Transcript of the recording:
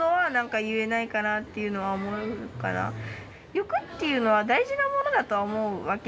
欲っていうのは大事なものだとは思うわけ。